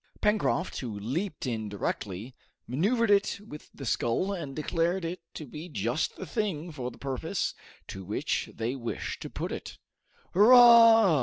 Pencroft, who leaped in directly, maneuvered it with the scull and declared it to be just the thing for the purpose to which they wished to put it. "Hurrah!"